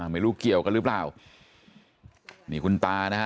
ไม่รู้เกี่ยวกันหรือเปล่า